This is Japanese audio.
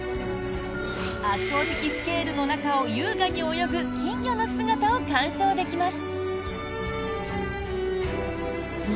圧倒的スケールの中を優雅に泳ぐ金魚の姿を鑑賞できます。